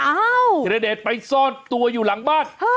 ธิรเดชไปซ่อนตัวอยู่หลังบ้าน